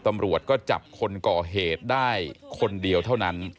ตำรวจก็จับคนก่อเหตุได้คนเดียวเท่านั้น